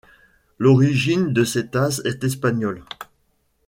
L'origine de ces tasses est espagnole.